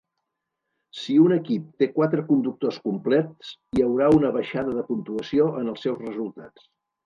Si un equip té quatre conductors complets, hi haurà una baixada de puntuació en els seus resultats.